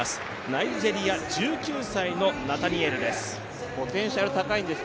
ナイジェリア１９歳のナタニエルです。